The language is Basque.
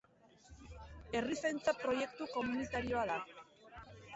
Herrizaintza proiektu komunitarioa da